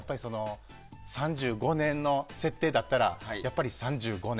３５年の設定だったらやっぱり３５年。